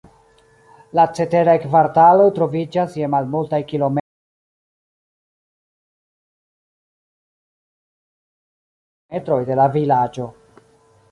La ceteraj kvartaloj troviĝas je malmultaj kilometroj de la vilaĝo.